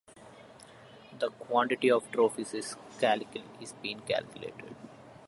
The quantity of trophies is being calculated.